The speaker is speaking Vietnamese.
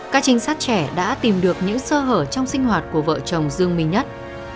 các trinh sát trẻ đã tìm được những sơ hở trong sinh hoạt của vợ chồng dương minh nhất